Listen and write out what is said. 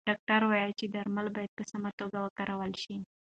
ډاکتر وویل چې درمل باید په سمه توګه وکارول شي.